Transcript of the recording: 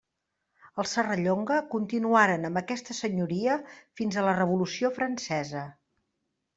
Els Serrallonga continuaren amb aquesta senyoria fins a la Revolució Francesa.